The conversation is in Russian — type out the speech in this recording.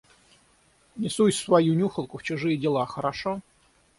Не суй свою нюхалку в чужие дела, хорошо?